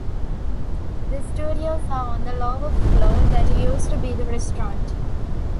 The studios are on the lower floor that used to be the restaurant.